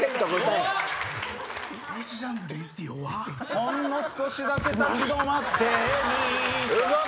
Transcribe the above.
ほんの少しだけ立ち止まってみたいよ